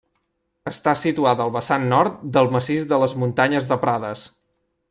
Està situada al vessant nord del massís de les Muntanyes de Prades.